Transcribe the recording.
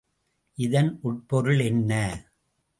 இதன் உட்பொருள் என்ன?